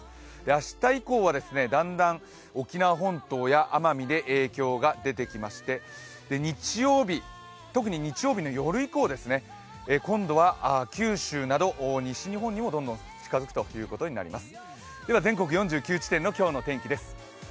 明日以降はだんだん沖縄本島や奄美で影響が出てきまして、特に日曜日の夜以降、今度は九州など西日本にも、どんどん近づくということになります。